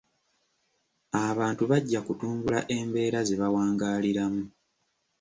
Abantu bajja kutumbula embeera ze bawangaaliramu.